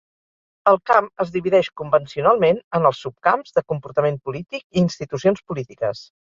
El camp es divideix convencionalment en els subcamps de comportament polític i institucions polítiques.